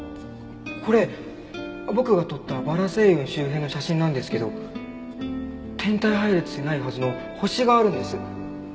これ僕が撮ったバラ星雲周辺の写真なんですけど天体配列にないはずの星があるんです。